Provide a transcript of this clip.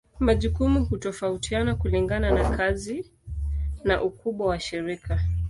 Majukumu hutofautiana kulingana na kazi na ukubwa wa shirika.